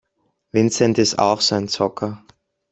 Vincent ist auch so ein Zocker.